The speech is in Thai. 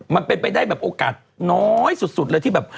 มันเป็นไปได้แบบโอกาสน้อยสุดเลยที่แบบ